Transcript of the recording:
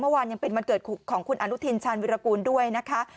เมื่อวานยังเป็นวันเกิดของคุณอนุทินชาญวิรากูลด้วยนะคะ